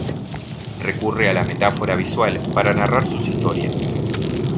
Recurre a la metáfora visual para narrar sus historias.